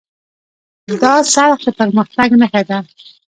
دا څرخ د پرمختګ نښه ده.